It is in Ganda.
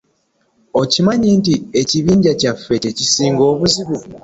Okimanyi nti ekibinja kyaffe kyekisinga obuzibu.